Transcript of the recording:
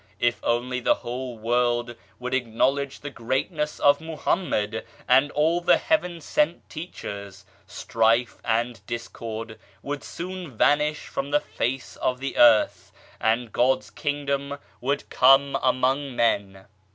If only the whole world would acknowledge the greatness of Mohammed and all the Heaven sent Teachers, strife and discord would soon vanish from the face of the earth, and God's Kingdom would come among men.